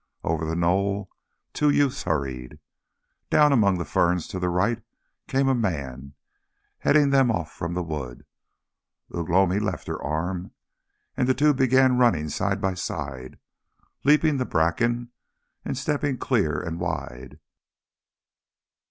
Over the knoll two youths hurried. Down among the ferns to the right came a man, heading them off from the wood. Ugh lomi left her arm, and the two began running side by side, leaping the bracken and stepping clear and wide.